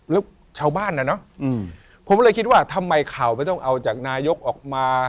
แล้วชาวบ้านน่ะเนอะผมเลยคิดว่าทำไมข่าวไม่ต้องเอาจากนายกออกมา